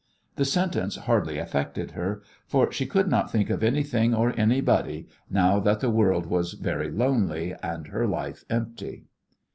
The sentence hardly affected her, for she could not think of anything or anybody now that the world was very lonely and her life empty.